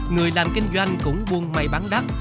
người làm kinh doanh cũng buôn may bán đắt